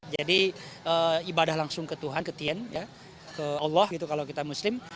jadi ibadah langsung ke tuhan ke tien ke allah gitu kalau kita muslim